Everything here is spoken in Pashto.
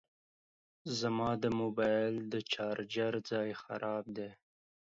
زما د موبایل د چارجر ځای خراب دی